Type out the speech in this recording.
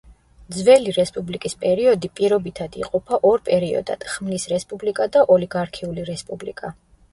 ძველი რესპუბლიკის პერიოდი პირობითად იყოფა ორ პერიოდად: „ხმლის რესპუბლიკა“ და „ოლიგარქიული რესპუბლიკა“.